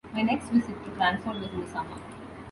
My next visit to Cranford was in the summer.